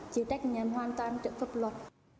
chịu trách nhiệm hoàn toàn trước pháp luật